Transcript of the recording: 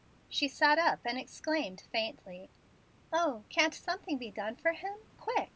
She sat up and exclaimed faintly: "O, can't something be done for him? Quick.